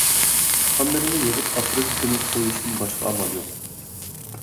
ئۇستىخانلىرىنى يىغىپ ئاپىرىپ كۆمۈپ قويۇشتىن باشقا ئامال يوق.